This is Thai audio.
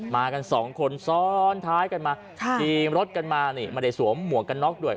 มากันสองคนซ้อนท้ายกันมาทีมรถกันมานี่ไม่ได้สวมหมวกกันน็อกด้วย